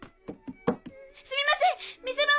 すみません店番